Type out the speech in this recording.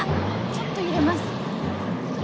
ちょっと揺れます。